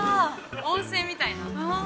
温泉みたいな。